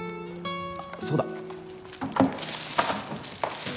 そうだ！